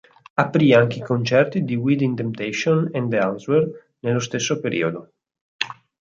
Aprì anche i concerti di Within Temptation e The Answer nello stesso periodo.